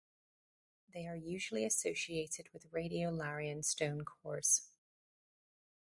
They are usually associated with radiolarian stone cores.